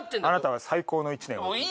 あなたは最高の１年を。